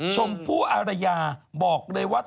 ชมพู่อารยาบอกเลยว่า